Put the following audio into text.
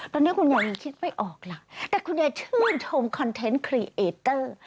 ตอนนี้คุณยายยังคิดไม่ออกล่ะแต่คุณยายชื่นชมคอนเทนต์ครีเอเตอร์